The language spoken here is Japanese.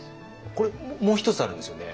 これもう一つあるんですよね？